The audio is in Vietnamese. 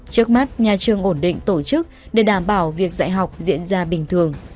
trước mắt nhà trường ổn định tổ chức để đảm bảo việc dạy học diễn ra bình thường